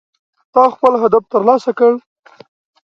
تا خپل هدف ترلاسه کړ